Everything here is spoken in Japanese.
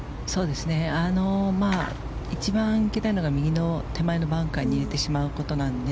一番いけないのが右の手前のバンカーに入れてしまうことなので。